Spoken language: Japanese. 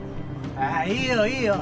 ああいいよいいよ。